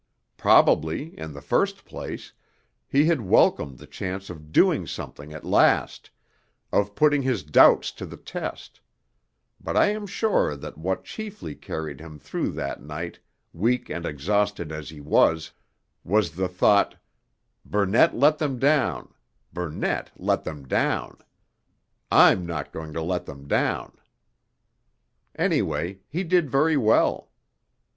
Probably, in the first place, he had welcomed the chance of doing something at last, of putting his doubts to the test, but I am sure that what chiefly carried him through that night, weak and exhausted as he was, was the thought, 'Burnett let them down; Burnett let them down; I'm not going to let them down.' Anyhow he did very well.